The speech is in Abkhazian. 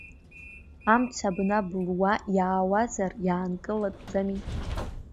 Амца абна былуа иаауазар, иаанкылатәӡами?